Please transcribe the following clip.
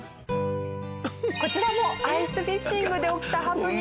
こちらもアイスフィッシングで起きたハプニング。